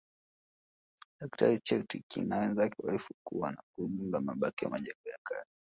Daktari Chittick na wenzake walifukua na kugundua mabaki ya majengo ya kale